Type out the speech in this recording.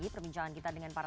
terima kasih pak